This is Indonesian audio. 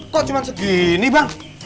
kok cuma segini bang